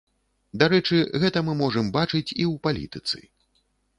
Дарэчы, гэта мы можам бачыць і ў палітыцы.